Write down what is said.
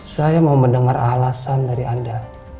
saya mau mendengar alasan dari anda